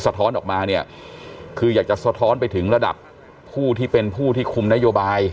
ท้อนออกมาเนี่ยคืออยากจะสะท้อนไปถึงระดับผู้ที่เป็นผู้ที่คุมนโยบาย